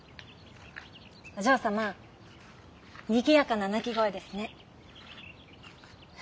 お嬢様にぎやかな鳴き声ですね。